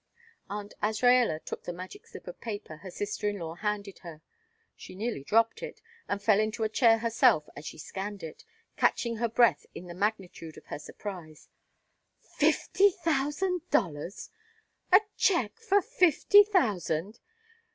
Aunt Azraella took the magic slip of paper her sister in law handed her. She nearly dropped it, and fell into a chair herself as she scanned it, catching her breath in the magnitude of her surprise. "Fifty thousand dollars! A check for fifty thousand!